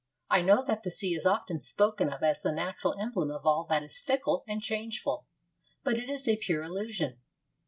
I know that the sea is often spoken of as the natural emblem of all that is fickle and changeful; but it is a pure illusion.